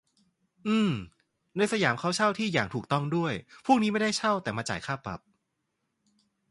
อือ ในสยามเขาเช่าที่อย่างถูกต้องด้วย พวกนี้ไม่ได้เช่าแต่มาจ่ายค่าปรับ